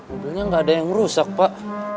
mungkin gak ada yang rusak pak